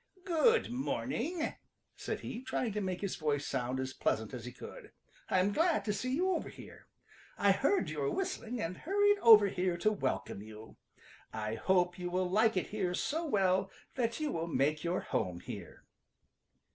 "Good morning," said he, trying to make his voice sound as pleasant as he could, "I'm glad to see you over here. I heard you whistling and hurried over here to welcome you. I hope you will like here so well that you will make your home here."